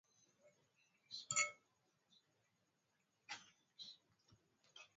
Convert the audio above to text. Namna ya kuwakinga wanyama dhidi ya ugonjwa wa ngozi